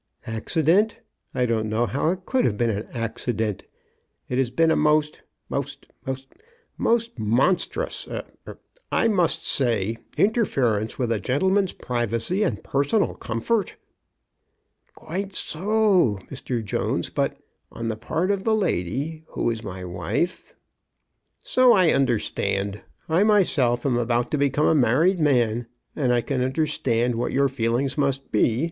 " Accident ! I don't know how it could have been an accident. It has been a most — most — most — a most monstrous — er — er — I must say, interference with a gentleman's privacy and personal comfort." 56 CHRISTMAS AT THOMPSON HALL. ''Quite SO, Mn Jones, but — on the part of the lady, who is my wife —"So I understand. I myself am about to become a married man, and I can understand what your feelings must be.